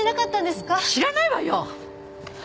知らないわよ！